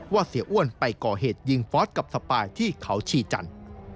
เสียอ้วนไปก่อเหตุยิงฟอสกับสปายที่เขาชีจันทร์